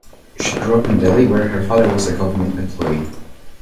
She grew up in Delhi where her father was a government employee.